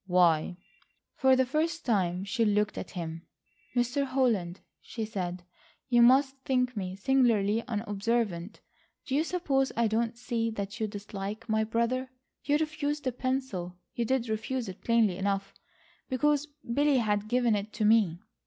"Why?" For the first time she looked at him. "Mr. Holland," she said, "you must think me singularly unobservant. Do you suppose I don't see that you dislike my brother. You refused the pencil—you did refuse it plainly enough—because Billy had given it to me.